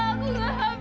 aku gak hamil